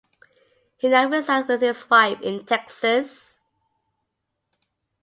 He now resides with his wife in Texas.